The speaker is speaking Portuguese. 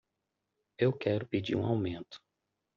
Eu quero pedir um aumento.